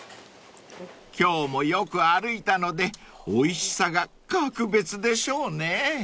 ［今日もよく歩いたのでおいしさが格別でしょうね］